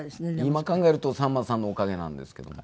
今考えるとさんまさんのおかげなんですけどもね。